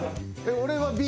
俺はＢ。